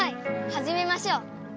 はじめましょう！